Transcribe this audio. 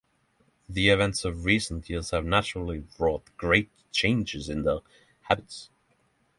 The events of recent years have naturally wrought great changes in their habits.